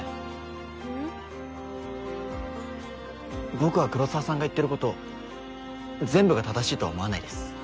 僕は黒澤さんが言ってること全部が正しいとは思わないです。